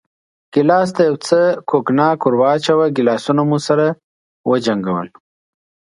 ګیلاس ته یو څه کوګناک ور واچوه، ګیلاسونه مو سره وجنګول.